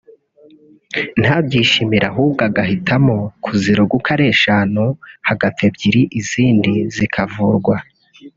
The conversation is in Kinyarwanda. ntabyishimire ahubwo agahitamo kuziroga uko ari eshanu hagapfa ebyiri izindi zikavurwa